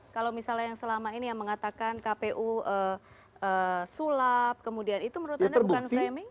kalau misalnya yang selama ini yang mengatakan kpu sulap kemudian itu menurut anda bukan framing